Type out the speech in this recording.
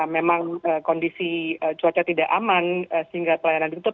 memang kondisi cuaca tidak aman sehingga pelayanan ditutup